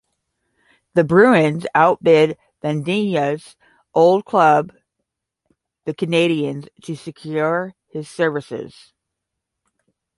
The Bruins outbid Vadnais' old club, the Canadiens, to secure his services.